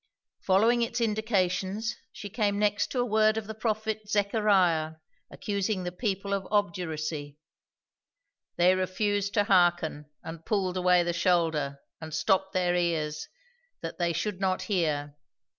Following its indications, she came next to a word of the prophet Zechariah, accusing the people of obduracy: "They refused to hearken, and pulled away the shoulder, and stopped their ears, that they should not hear.